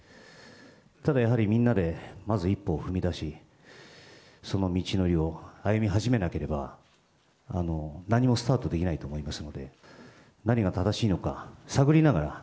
ただやはり、みんなでまず、一歩を踏み出し、その道のりを歩み始めなければ、何もスタートできないと思います